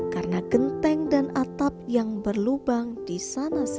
karena genteng dan atap yang berlubang di sana sini